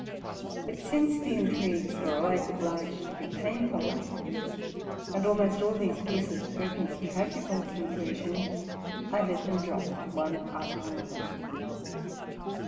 But since the intrigues were alwa ays obliged to be painful, and almost all these pieces threatened a tragical con clusion, I let them drop one after another.